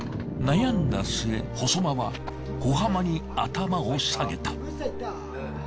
悩んだ末細間は小浜に頭を下げた。